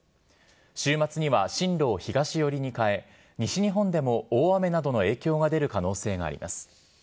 週末には進路を東寄りに変え、西日本でも大雨などの影響が出る可能性があります。